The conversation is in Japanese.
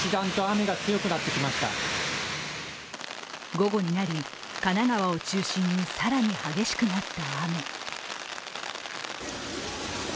午後になり、神奈川を中心に更に激しくなった雨。